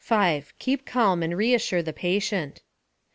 _Keep calm, and reassure the patient.